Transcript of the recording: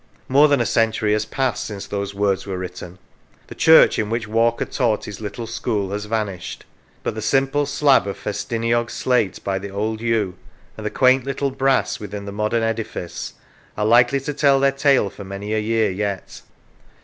More than a century has passed since those words were written; the church in which Walker taught his little school has vanished; but the simple slab of Festiniog slate by the old yew, and the quaint little brass within the modern edifice, are likely to tell their tale for many a year yet.